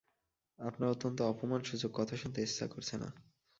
আপনার অত্যন্ত অপমানসূচক কথা শুনতে ইচ্ছা করছে না।